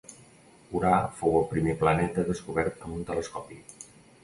Urà fou el primer planeta descobert amb un telescopi.